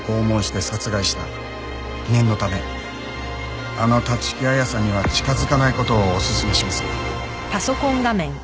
念のためあの立木彩さんには近づかない事をおすすめします。